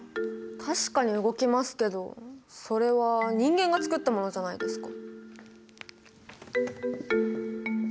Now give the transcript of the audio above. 確かに動きますけどそれは人間が作ったものじゃないですか。